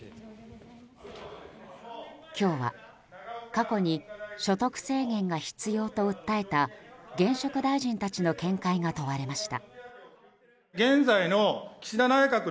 今日は過去に所得制限が必要と訴えた現職大臣たちの見解が問われました。